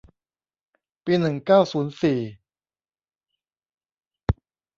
ปีหนึ่งเก้าศูนย์สี่